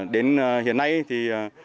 đến hiện nay thì